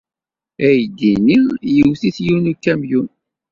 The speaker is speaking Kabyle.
Aydi-nni iwet-it yiwen n ukamyun.